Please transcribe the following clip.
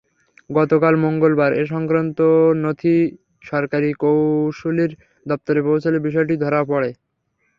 গতকাল মঙ্গলবার এ-সংক্রান্ত নথি সরকারি কৌঁসুলির দপ্তরে পৌঁছালে বিষয়টি ধরা পড়ে।